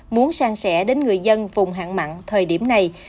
muốn sang sẻ đến người dân vùng hạn mặn thời điểm này